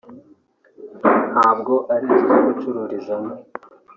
ntabwo ari inzu zo gucururizamo